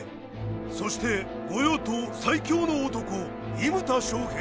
そして御用盗最強の男伊牟田尚平。